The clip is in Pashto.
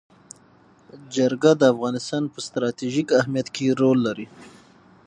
جلګه د افغانستان په ستراتیژیک اهمیت کې رول لري.